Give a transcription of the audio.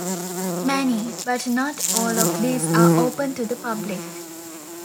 Many, but not all, of these are open to the public.